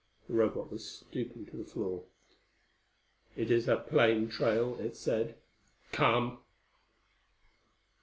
The Robot was stooping to the floor. "It is a plain trail," it said. "Come."